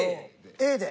Ａで。